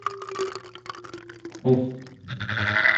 قف!